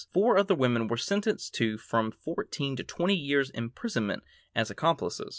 Four other women were sentenced to from fourteen to twenty years' imprisonment as accomplices.